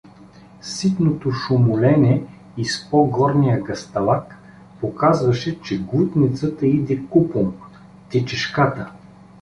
Ситното шумолене из по-горния гъсталак показваше, че глутницата иде купом, тичешката.